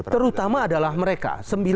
terutama adalah mereka